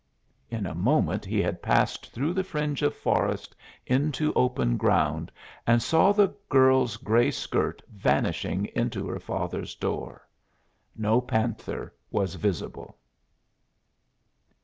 In a moment he had passed through the fringe of forest into open ground and saw the girl's gray skirt vanishing into her father's door. No panther was visible.